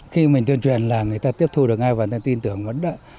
khi mình tuyên truyền là người ta tiếp thu được ngay và tin tưởng vẫn đợi